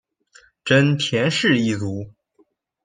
真田氏一族。